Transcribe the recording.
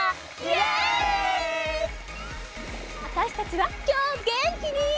わたしたちはきょうもげんきに！